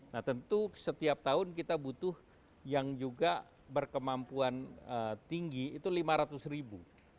nah tentu setiap tahun kita butuh yang juga berkemampuan tinggi itu lima ratus ribu